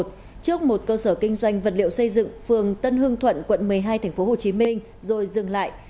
trước một cơ sở kinh doanh vật liệu xây dựng phường tân hương thuận quận một mươi hai tp hcm rồi dừng lại